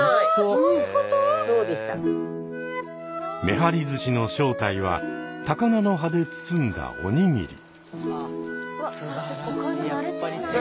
めはり寿司の正体は高菜の葉で包んだお握り。